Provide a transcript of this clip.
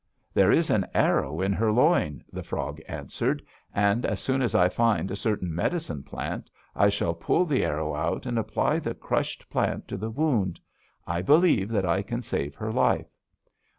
"'There is an arrow in her loin,' the frog answered, 'and as soon as I find a certain medicine plant, I shall pull the arrow out and apply the crushed plant to the wound. I believe that I can save her life.'